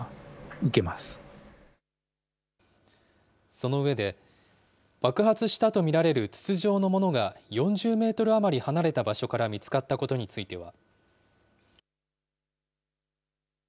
その上で、爆発したと見られる筒状のものが４０メートル余り離れた場所から見つかったことについては。